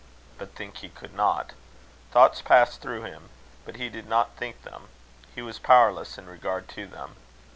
But think he could not. Thoughts passed through him, but he did not think them. He was powerless in regard to them.